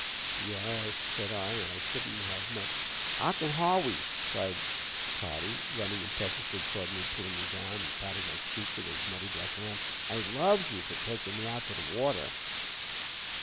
"Yes," said I, "and I shouldn't have much " "Ocken Hawwy," cried Toddie, running impetuously toward me, pulling me down, and patting my cheek with his muddy black hand, "I loves you for takin' me out de water."